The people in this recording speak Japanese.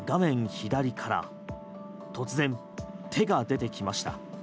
左から突然、手が出てきました。